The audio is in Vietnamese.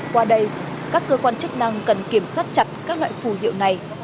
qua đây các cơ quan chức năng cần kiểm soát chặt các loại phù hiệu này